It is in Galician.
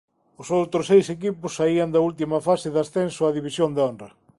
Os outros seis equipos saían da última fase de ascenso á División de Honra.